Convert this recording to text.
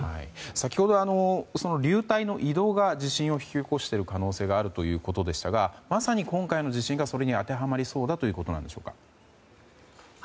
先ほど、流体の移動が地震を引き起こしている可能性があるということでしたがまさに今回の地震が、それに当てはまりそうなんでしょうか。